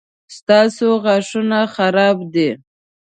ستاسو غاښونه خراب دي